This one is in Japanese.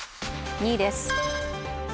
２位です。